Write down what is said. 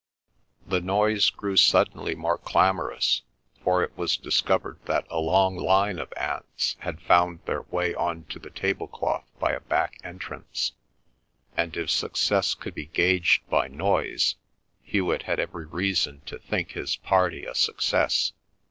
The noise grew suddenly more clamorous, for it was discovered that a long line of ants had found their way on to the table cloth by a back entrance, and if success could be gauged by noise, Hewet had every reason to think his party a success.